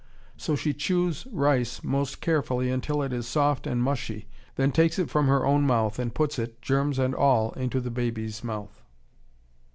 So she chews rice most carefully until it is soft and mushy, then takes it from her own mouth and puts it, germs and all, into the baby's mouth.